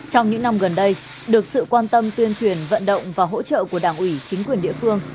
trong những năm gần đây được sự quan tâm tuyên truyền vận động và hỗ trợ của đảng ủy chính quyền địa phương